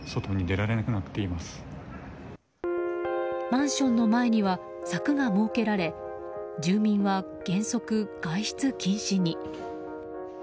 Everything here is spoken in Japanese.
マンションの前には柵が設けられ住民は原則、外出禁止に。